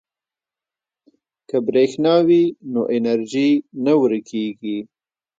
که برښنا وي نو انرژي نه ورکیږي.